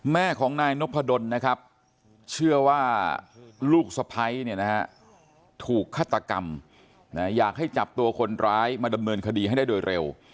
แม่ของนายนพดลนะครับเชื่อว่าลูกสะพ้ายเนี่ยนะฮะถูกฆาตกรรมอยากให้จับตัวคนร้ายมาดำเนินคดีให้ได้โดยเร็ว